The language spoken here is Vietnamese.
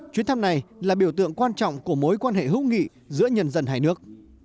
chuyến thăm này là biểu tượng quan trọng của mối quan hệ hữu nghị giữa nhân dân hai nước